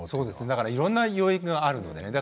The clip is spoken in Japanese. だからいろんな要因があるのでね。